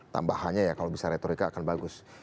tambahannya ya kalau bisa retorika akan bagus